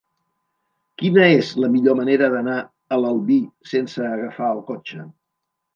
Quina és la millor manera d'anar a l'Albi sense agafar el cotxe?